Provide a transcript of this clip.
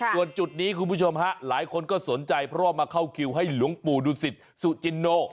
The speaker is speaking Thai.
ส่วนจุดนี้คุณผู้ชมฮะหลายคนก็สนใจเพราะว่ามาเข้าคิวให้หลวงปู่ดุสิตสุจินโน